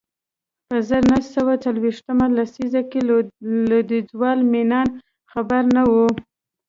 په زر نه سوه څلویښتمه لسیزه کې لوېدیځوال مینان خبر نه و